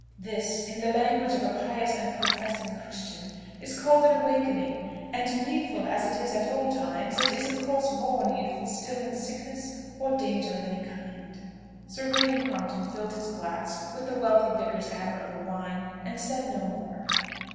This, in the language of a pious and professing Christian, is called an awakening; and needful as it is at all times, it is of course more needful still in sickness, or danger of any kind." Sir William Crompton filled his glass with the wealthy vicar's admirable wine, and said no more.